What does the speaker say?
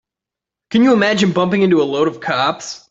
Can you imagine bumping into a load of cops?